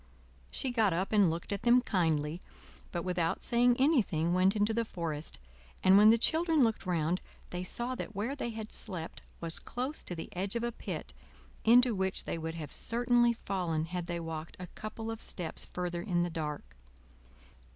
She got up and looked at them kindly, but without saying anything went into the forest; and when the children looked round they saw that where they had slept was close to the edge of a pit, into which they would have certainly fallen had they walked a couple of steps further in the dark.